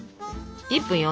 １分よ。